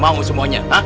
apa kalian mau semuanya